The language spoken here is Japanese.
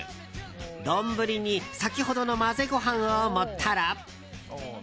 丼に、先ほどの混ぜご飯を盛ったら。